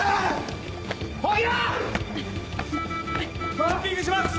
ポンピングします！